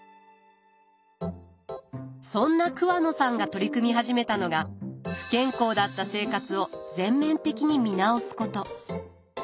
そんな桑野さんが取り組み始めたのが不健康だった生活を全面的に見直すこと。